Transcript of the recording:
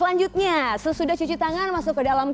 selanjutnya sesudah cuci tangan masuk ke dalam